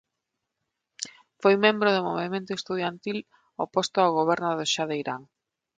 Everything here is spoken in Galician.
Foi membro do movemento estudantil oposto ao goberno do Xa de Irán.